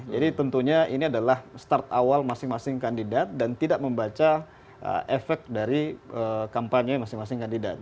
jadi tentunya ini adalah start awal masing masing kandidat dan tidak membaca efek dari kampanye masing masing kandidat